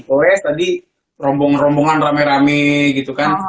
oes tadi rombong rombongan rame rame gitu kan